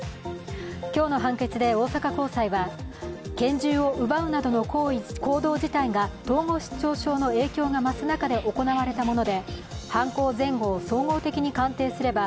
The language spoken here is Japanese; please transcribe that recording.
今日の判決で大阪高裁は拳銃を奪うなどの行動自体が統合失調症の影響が増す中で行われたもので、犯行前後を総合的に鑑定すれば